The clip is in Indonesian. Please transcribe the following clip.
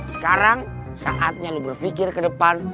sekarang saatnya lo berpikir ke depan